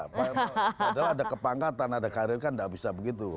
padahal ada kepangkatan ada karir kan tidak bisa begitu